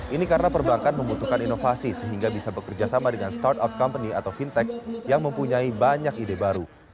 ini karena perbankan membutuhkan inovasi sehingga bisa bekerja sama dengan startup company atau fintech yang mempunyai banyak ide baru